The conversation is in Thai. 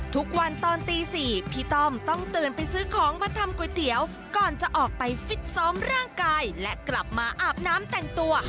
ทุกวันตอนตี๔พี่ต้อมต้องตื่นไปซื้อของมาทำก๋วยเตี๋ยวก่อนจะออกไปฟิตซ้อมร่างกายและกลับมาอาบน้ำแต่งตัว